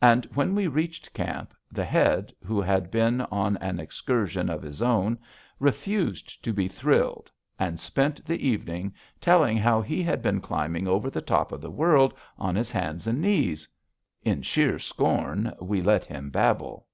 And when we reached camp, the Head, who had been on an excursion of his own, refused to be thrilled, and spent the evening telling how he had been climbing over the top of the world on his hands and knees. In sheer scorn, we let him babble.